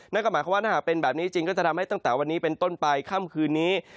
นั่นก็หมายความว่าถ้าหากเป็นแบบนี้จริงก็จะทำให้ตั้งแต่วันนี้เป็นต้นไปค่ำคืนนี้